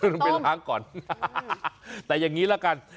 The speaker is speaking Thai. ลงไปล้างก่อนแต่อย่างนี้ละกัน